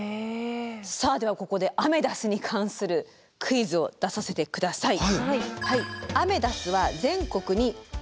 さあではここでアメダスに関するクイズを出させて下さい。